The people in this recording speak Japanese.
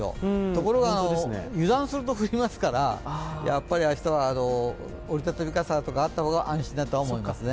ところが油断すると降りますからやはり明日は折り畳み傘などあった方が安心だと思いますね。